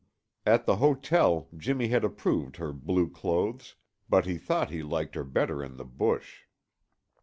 At the hotel, Jimmy had approved her blue clothes, but he thought he liked her better in the bush.